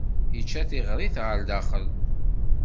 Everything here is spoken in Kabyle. Yečča tiɣrit ɣer daxel.